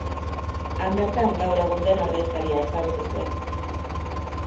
Han bertan, gaur egun den ordezkaria ezagutu zuen.